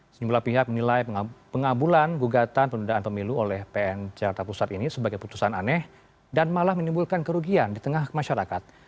sejumlah pihak menilai pengabulan gugatan penundaan pemilu oleh pn jakarta pusat ini sebagai putusan aneh dan malah menimbulkan kerugian di tengah masyarakat